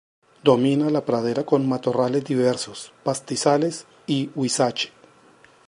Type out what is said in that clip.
Domina la pradera con matorrales diversos, pastizales y huizache.